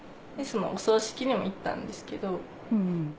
そのお葬式にも行ったんですけど。